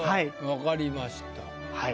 わかりました。